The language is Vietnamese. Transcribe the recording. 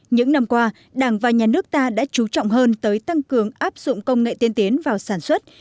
những năm qua đảng và nhà nước ta đã trú trọng hơn tới tăng cường áp dụng công nghệ tiên tiến vào sản xuất